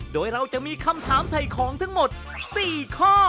โดยเราจะมีคำถามถ่ายของทั้งหมด๔ข้อ